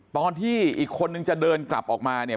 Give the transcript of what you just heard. ตอนที่อีกคนนึงจะเดินกลับออกมาเนี่ย